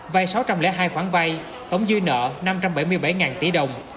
vay sáu trăm linh hai khoản vay tổng dư nợ năm trăm bảy mươi bảy tỷ đồng